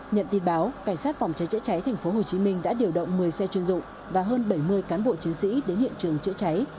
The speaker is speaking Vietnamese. nhận tin báo cảnh sát phòng cháy chữa cháy tp hcm đã điều động một mươi xe chuyên dụng và hơn bảy mươi cán bộ chiến sĩ đến hiện trường chữa cháy